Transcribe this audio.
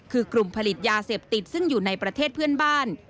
คือกลุ่มผลิตยาเสพติดซึ่งอยู่ในประเทศเพื่อนบ้าน